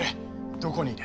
どこにいる？